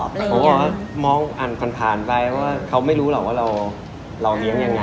เขาบอกว่ามองอ่านผ่านไปว่าเขาไม่รู้หรอกว่าเราเลี้ยงยังไง